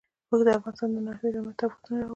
اوښ د افغانستان د ناحیو ترمنځ تفاوتونه راولي.